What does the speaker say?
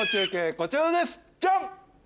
こちらですジャン！